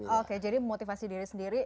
oke jadi memotivasi diri sendiri